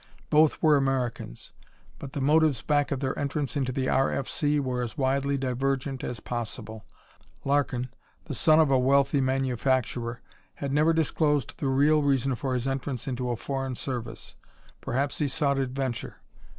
Both were Americans, but the motives back of their entrance into the R.F.C. were as widely divergent as possible. Larkin, the son of a wealthy manufacturer, had never disclosed the real reason for his entrance into a foreign service. Perhaps he sought adventure.